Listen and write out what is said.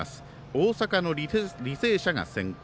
大阪の履正社が先攻。